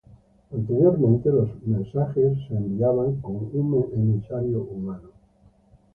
Anteriormente, los mensajes eran enviados por un emisario humano.